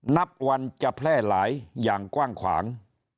นับวันจะแพร่หลายอย่างกว้างขวาง